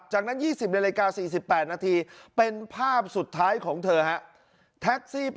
จากนั้น๒๐นาฬิกา๔๘นาทีเป็นภาพสุดท้ายของเธอครับ